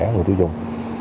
của người tiêu dùng